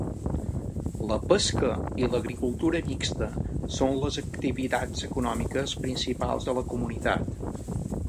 La pesca i l'agricultura mixta són les activitats econòmiques principals de la comunitat.